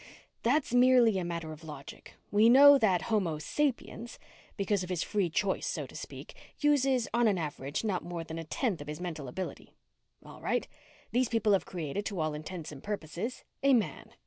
"That's merely a matter of logic. We know that homo sapiens because of his free choice, so to speak uses, on an average, not more than a tenth of his mental ability. All right. These people have created, to all intents and purposes, a man.